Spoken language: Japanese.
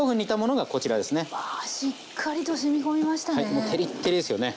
もうテリッテリですよね。